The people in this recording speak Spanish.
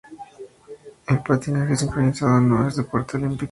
El patinaje sincronizado no es deporte olímpico.